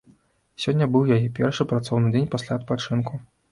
Сёння быў яе першы працоўны дзень пасля адпачынку.